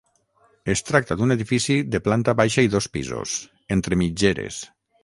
Es tracta d'un edifici de planta baixa i dos pisos, entre mitgeres.